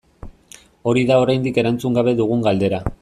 Hori da oraindik erantzun gabe dugun galdera.